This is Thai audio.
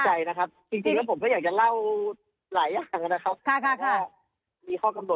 อย่างนั้นนะครับเพราะว่ามีข้อกำหนดอยู่ครับ